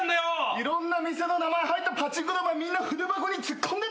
いろんな店の名前入ったパチンコ玉みんな筆箱に突っ込んでたんだよ。